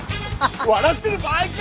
笑ってる場合か！